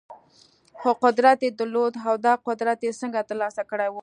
خو قدرت يې درلود او دا قدرت يې څنګه ترلاسه کړی و؟